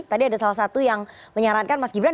tadi ada salah satu yang menyarankan mas gibran